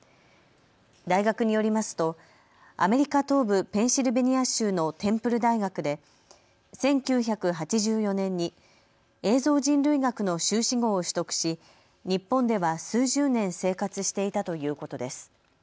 大学によりますとアメリカ東部ペンシルベニア州のテンプル大学で１９８４年に映像人類学の修士号を取得し日本では数十年生活していたということです。